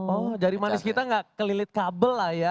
oh jari manis kita nggak kelilit kabel lah ya